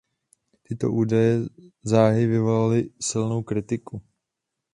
Tyto údaje záhy vyvolaly silnou kritiku.